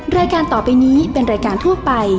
รายการต่อไปนี้เป็นรายการทั่วไป